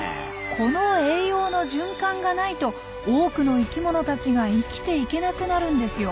この栄養の循環がないと多くの生きものたちが生きていけなくなるんですよ。